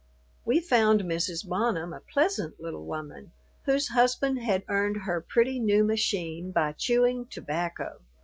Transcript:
We found Mrs. Bonham a pleasant little woman whose husband had earned her pretty new machine by chewing tobacco.